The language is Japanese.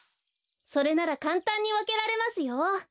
それならかんたんにわけられますよ。